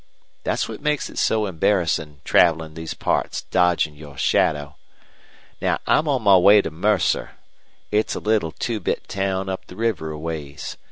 Thet's what makes it so embarrassin' travelin' these parts dodgin' your shadow. Now, I'm on my way to Mercer. It's a little two bit town up the river a ways.